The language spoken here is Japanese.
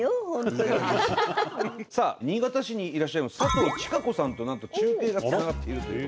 さあ新潟市にいらっしゃいます佐藤智香子さんとなんと中継がつながっているという。